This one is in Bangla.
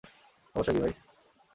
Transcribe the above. সমস্যা কী, ভাই?